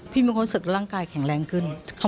พี่บังควรศึกร่างกายแข็งแรงขึ้น